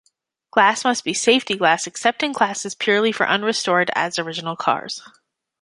Glass must be safety glass except in classes purely for unrestored, as-original cars.